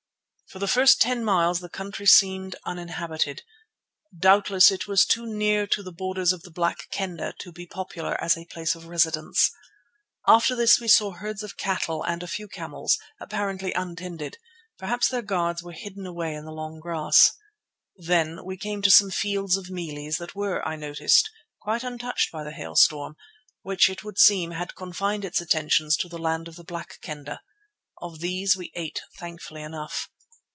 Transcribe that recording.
For the first ten miles the country seemed uninhabited; doubtless it was too near the borders of the Black Kendah to be popular as a place of residence. After this we saw herds of cattle and a few camels, apparently untended; perhaps their guards were hidden away in the long grass. Then we came to some fields of mealies that were, I noticed, quite untouched by the hailstorm, which, it would seem, had confined its attentions to the land of the Black Kendah. Of these we ate thankfully enough.